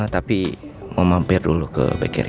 tapi mau mampir dulu ke bekir